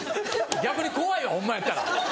逆に怖いホンマやったら。